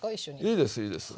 いいですいいです。